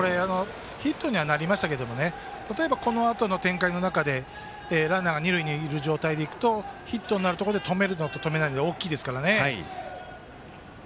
ヒットにはなりましたがたとえばこのあとの展開の中でランナーが二塁にいる状態になるとヒットになるところで止めるのと止めないのでは大きいですからね。